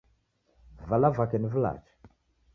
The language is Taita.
Vala vake ni vilacha.